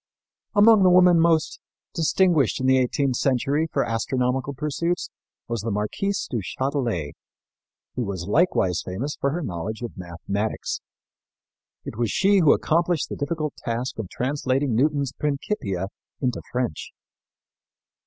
Among the women most distinguished in the eighteenth century for astronomical pursuits was the Marquise du Châtelet, who was likewise famous for her knowledge of mathematics. It was she who accomplished the difficult task of translating Newton's Principia into French.